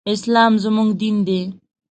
اسلام زموږ دين دی